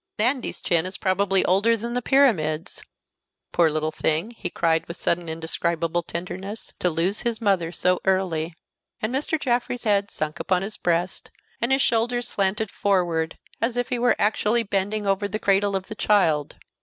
Andy's chin is probably older than the Pyramids. Poor little thing," he cried, with sudden indescribable tenderness, "to lose his mother so early!" And Mr. Jaffrey's head sunk upon his breast, and his shoulders slanted forward, as if he were actually bending over the cradle of the child.